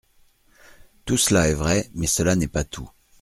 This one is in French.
Tout cela est vrai, mais cela n’est pas tout.